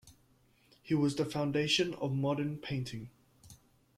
He was the foundation of modern painting.